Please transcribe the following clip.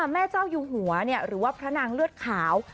แม่เจ้าอยู่หัวหรือว่าพระนางเลือดขาว